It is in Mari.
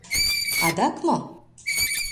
— Адак мо?